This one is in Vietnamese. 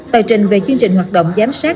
tài trình về chương trình hoạt động giám sát